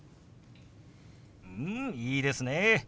うんいいですねえ。